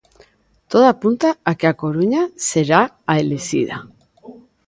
Todo apunta a que A Coruña será a elixida.